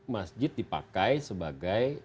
masjid dipakai sebagai